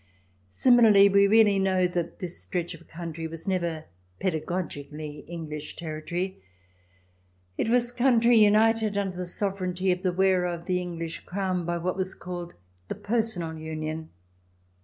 Similarly we really know that this stretch of country was never pedagogically English territory. It was country united under the sovereignty of the wearer of the English crown by what was called the personal union.